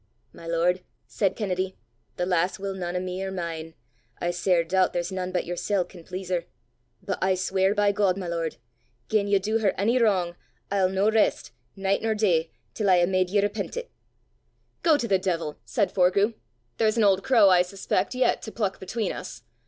"My lord," said Kennedy, "the lass will nane o' me or mine. I sair doobt there's nane but yersel' can please her. But I sweir by God, my lord, gien ye du her ony wrang, I'll no rist, nicht nor day, till I hae made ye repent it." "Go to the devil!" said Forgue; "there's an old crow, I suspect, yet to pluck between us!